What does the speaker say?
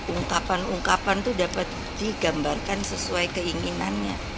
ungkapan ungkapan itu dapat digambarkan sesuai keinginannya